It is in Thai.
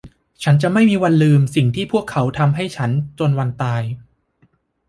ฉันจะไม่มีวันลืมสิ่งที่พวกเขาทำให้ฉันจนวันตาย